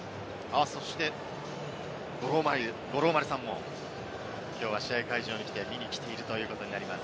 そして、五郎丸さんもきょうは試合会場に来て、見に来ているということになります。